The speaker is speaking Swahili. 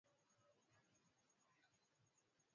Tumia chapa mandashi Kijiko cha chai mbili